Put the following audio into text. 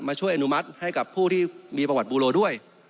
ช่วยอนุมัติให้กับผู้ที่มีประวัติบูโลด้วย